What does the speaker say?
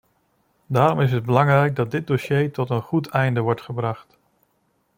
Daarom is het belangrijk dat dit dossier tot een goed einde wordt gebracht.